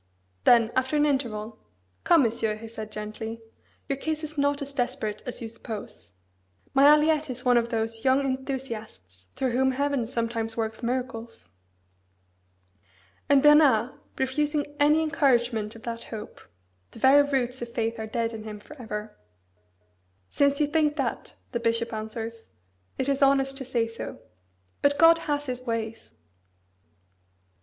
Then, after an interval, "Come, Monsieur," he said gently, "your case is not as desperate as you suppose. My Aliette is one of those young enthusiasts through whom Heaven sometimes works miracles." And Bernard refusing any encouragement of that hope (the "very roots of faith are dead" in him for ever) "since you think that," the bishop answers, "it is honest to say so. But God has His ways!"